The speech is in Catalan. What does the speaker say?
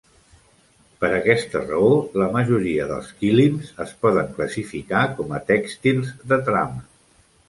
Per aquesta raó, la majoria dels quilims es poden classificar com a tèxtils "de trama".